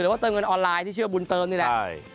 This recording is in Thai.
ว่าเติมเงินออนไลน์ที่ชื่อบุญเติมนี่แหละ